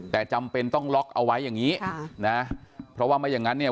แต่จำเป็นต้องล็อกเอาไว้อย่างงี้ค่ะนะเพราะว่าไม่อย่างงั้นเนี่ย